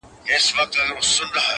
داسي نه كيږي چي اوونـــۍ كې گـــورم.